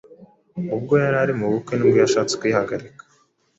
Ubwo yarari mubukwe nibwo yashatse kwihagarika